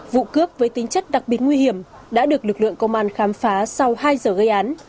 vụ cướp với tính chất đặc biệt nguy hiểm đã được lực lượng công an khám phá sau hai giờ gây án